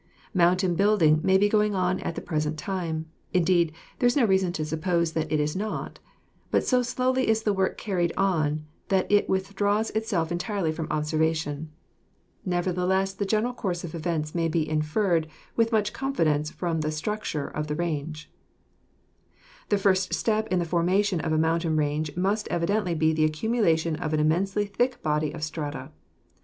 Mountain building may be going on at the present time; indeed, there is no reason to suppose that it is not, but so slowly is the work carried on that it withdraws itself en tirely from observation. Nevertheless the general course Fig. 32 — Profile of Jura Mts., Switzerland ; the Fault, the Fold and the Thrust. of events may be inferred with much confidence from the structure of the range. The first step in the formation of a mountain range must evidently be the accumulation of an immensely thick body of strata.